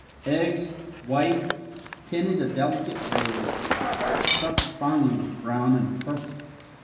Eggs white, tinted a delicate rose, and speckled finely with brown and purple.